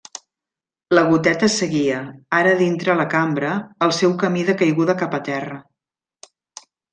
La goteta seguia, ara dintre la cambra, el seu camí de caiguda cap a terra.